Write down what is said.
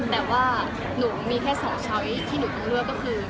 แต่ว่าหนูมีแค่๒ช้อยที่หนูต้องเลือกก็คือ